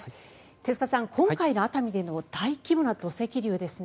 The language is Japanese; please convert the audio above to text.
手塚さん、今回の熱海での大規模な土石流ですね。